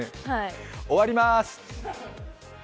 終わります！